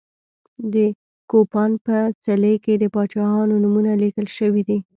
د کوپان په څلي کې د پاچاهانو نومونه لیکل شوي دي.